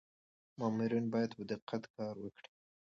مامورین باید په دقت کار وکړي.